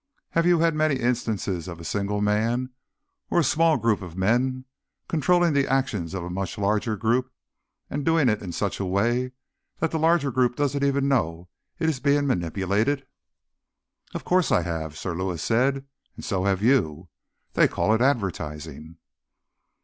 "Have you had many instances of a single man, or a small group of men, controlling the actions of a much larger group? And doing it in such a way that the larger group doesn't even know it is being manipulated?" "Of course I have," Sir Lewis said. "And so have you. They call it advertising."